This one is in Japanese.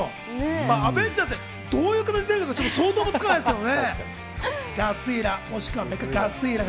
『アベンジャーズ』、どういう形で出るのか想像もつかないですけれどね。